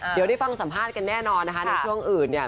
เดี๋ยวได้ฟังสัมภาษณ์กันแน่นอนนะคะในช่วงอื่นเนี่ย